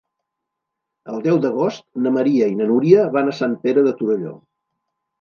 El deu d'agost na Maria i na Núria van a Sant Pere de Torelló.